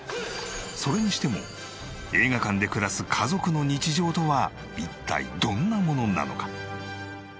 それにしても映画館で暮らす家族の日常とは一体どんなものなのか？